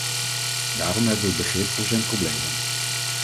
Daarom hebben we begrip voor zijn problemen.